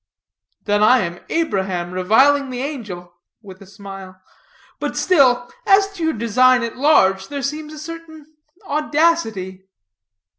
"Then I am Abraham reviling the angel (with a smile). But still, as to your design at large, there seems a certain audacity."